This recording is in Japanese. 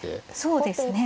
そうですね。